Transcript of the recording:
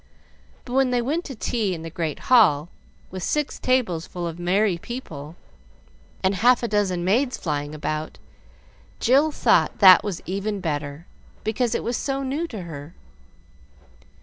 But when they went to tea in the great hall, with six tables full of merry people, and half a dozen maids flying about, Jill thought that was even better, because it was so new to her.